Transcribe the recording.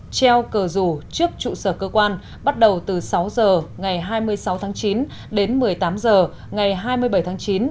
treo cờ rủ trước trụ sở cơ quan bắt đầu từ sáu h ngày hai mươi sáu tháng chín đến một mươi tám h ngày hai mươi bảy tháng chín